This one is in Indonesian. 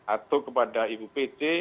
atau kepada ibu pece